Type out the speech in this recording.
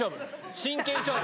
真剣勝負！